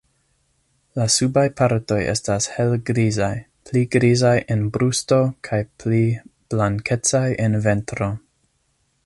La subaj partoj estas helgrizaj, pli grizaj en brusto kaj pli blankecaj en ventro.